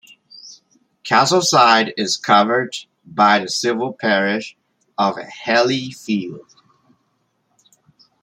Castleside is covered by the civil parish of Healeyfield.